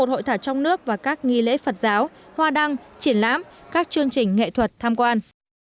một hội thảo trong nước và các nghi lễ phật giáo hoa đăng triển lãm các chương trình nghệ thuật tham quan